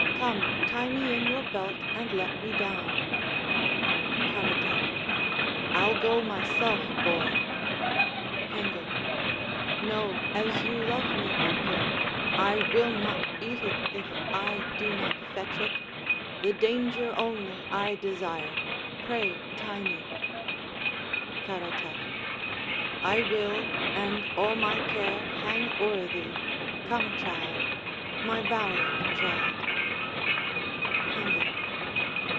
Come, tie me in your belt and let me down. Caratach I'll go myself, boy. Hengo No, as you love me, uncle: I will not eat it, if I do not fetch it; The danger only I desire: pray, tie me. Caratach I will, and all my care hang o'er thee! Come, child, My valiant child!